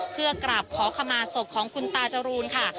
เพื่อกราบขอขมาศพของคุณตาจรูนค่ะ